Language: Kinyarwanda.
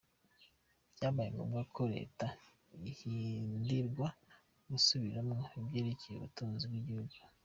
Vyabaye ngombwa ko reta ihindirwa gusubiramwo ivyerekeye ubutunzi bw'igihugu.